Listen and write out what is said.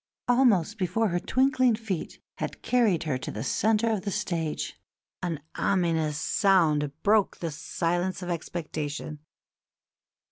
Almost before her twinkling feet had carried her to the centre of the stage an ominous sound broke the silence of expectation.